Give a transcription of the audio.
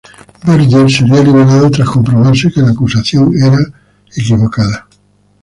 Berger sería liberado tras comprobarse que la acusación era equivocada.